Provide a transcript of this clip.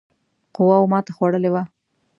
قواوو ماته خوړلې وه.